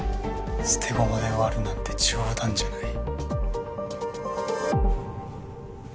捨て駒で終わるなんて冗談じゃない。